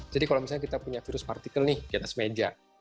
jadi kalau misalnya kita punya virus partikel nih di atas meja